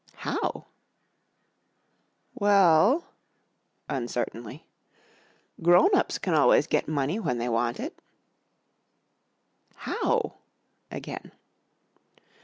"How?" "Well," uncertainly, "grown ups can always get money when they want it." "How?" again.